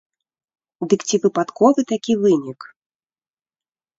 Дык ці выпадковы такі вынік?